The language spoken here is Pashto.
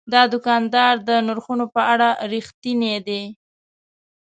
دا دوکاندار د نرخونو په اړه رښتینی دی.